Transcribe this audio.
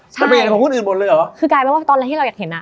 ใช่แต่เป็นของคนอื่นล้วนเลยเหรอคือกลายไปว่าตอนแรกที่เราอยากเห็นอ่ะ